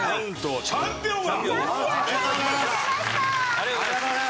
ありがとうございます。